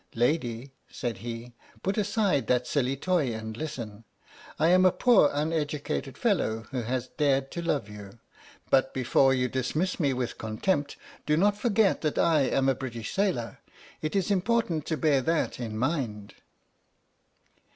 " Lady," said he, " put aside that silly toy and listen. I am a poor uneducated fellow who has dared to love you, but before you dismiss me with contempt, do not forget that I am a British sailor. It is important to bear that in mind."